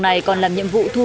và phần lớn rác thải điện tử